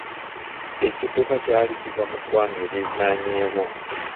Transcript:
Ekidduka kyali kiva mu ggwanga eririnaanyeewo.